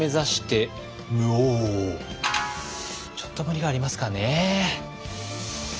ちょっと無理がありますかね？